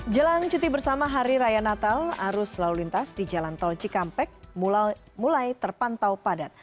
jelang cuti bersama hari raya natal arus lalu lintas di jalan tol cikampek mulai terpantau padat